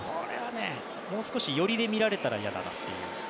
もう少し寄りで見られたら嫌だなという。